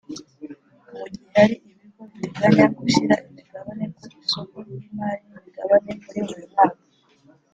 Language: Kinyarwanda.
Mu gihe hari ibigo biteganya gushyira imigabane ku isoko ry’imari n’imigabane muri uyu mwaka